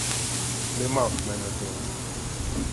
Нема в мене дому!